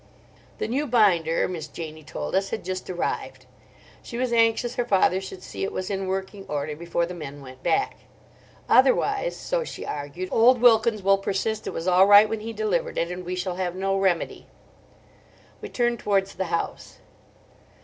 The new binder, Miss Janie told us, had just arrived. She was anxious her father should see it was in working order before the men went back. "Otherwise," so she argued, "old Wilkins will persist it was all right when he delivered it, and we shall have no remedy." We turned towards the house.